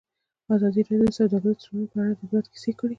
ازادي راډیو د سوداګریز تړونونه په اړه د عبرت کیسې خبر کړي.